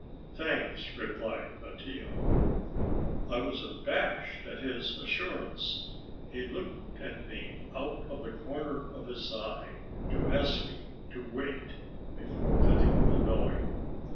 "Thanks," replied Mattia. I was abashed at his assurance. He looked at me out of the corner of his eye, to ask me to wait before getting annoyed.